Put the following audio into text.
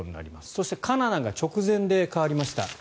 そしてカナダが直前で変わりました。